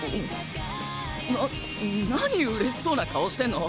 な何うれしそうな顔してんの？